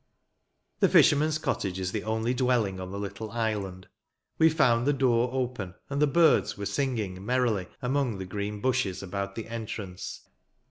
The fisherman's cottage is the only dwelling on the little island. We found the door open, and the birds were singing merrily among the green bushes about the entrance.